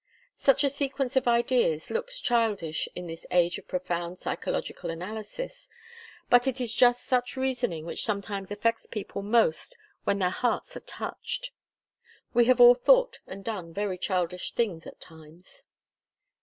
Such a sequence of ideas looks childish in this age of profound psychological analysis, but it is just such reasoning which sometimes affects people most when their hearts are touched. We have all thought and done very childish things at times.